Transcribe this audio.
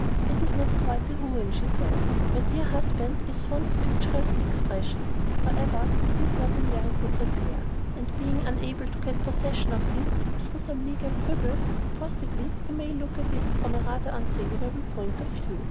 "It is not quite a ruin," she said. "My dear husband is fond of picturesque expressions. However, it is not in very good repair; and being unable to get possession of it, through some legal quibble, possibly he may look at it from a rather unfavorable point of view.